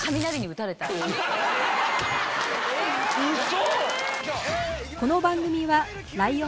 ウソ